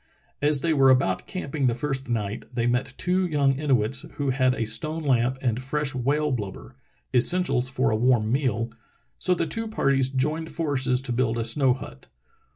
As they were about camping the first night they met two young Inuits who had a stone lamp and fresh whale blubber — essentials for a warm meal — so the two parties joined forces to build a snow hut.